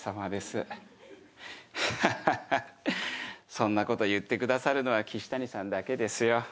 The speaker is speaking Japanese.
そんな事言ってくださるのは岸谷さんだけですよ。